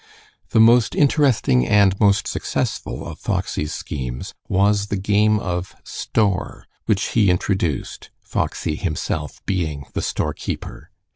The most interesting and most successful of Foxy's schemes was the game of "store," which he introduced, Foxy himself being the storekeeper.